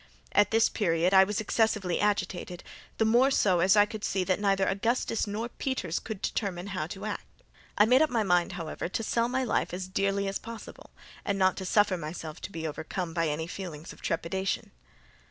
At this period I was excessively agitated, the more so as I could see that neither Augustus nor Peters could determine how to act. I made up my mind, however, to sell my life as dearly as possible, and not to suffer myself to be overcome by any feelings of trepidation.